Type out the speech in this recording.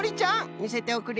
みせておくれ。